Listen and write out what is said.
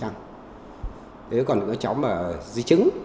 nếu còn có cháu mà di chứng